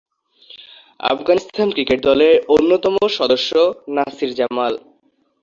Afghanistan cricket দলের অন্যতম সদস্য নাসির জামাল।